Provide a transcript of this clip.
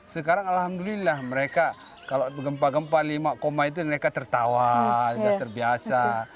sekarang alhamdulillah mereka kalau gempa gempa lima koma itu mereka tertawa sudah terbiasa